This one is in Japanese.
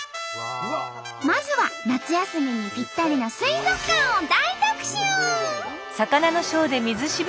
まずは夏休みにぴったりの水族館を大特集！